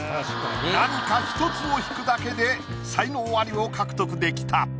何か１つを引くだけで才能アリを獲得できた。